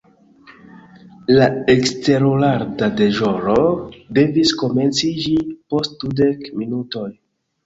La eksterorda deĵoro devis komenciĝi post dudek minutoj.